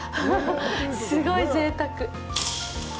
すごいぜいたく。